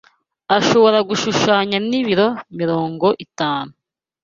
ashobora gushushanya nibiro mirongo itanu